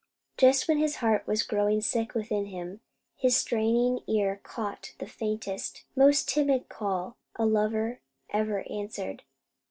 Just when his heart was growing sick within him, his straining ear caught the faintest, most timid call a lover ever answered.